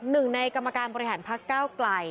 หนึ่งในกรรมการบริหารพักเก้าไกล